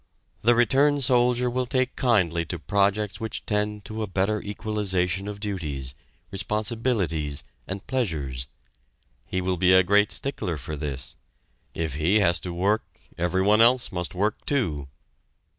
The returned soldier will take kindly to projects which tend to a better equalization of duties, responsibilities, and pleasures. He will be a great stickler for this; if he has to work, every one else must work too.